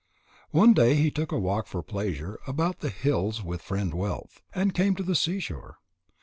One day he took a walk for pleasure about the hills with Friend wealth, and came to the seashore.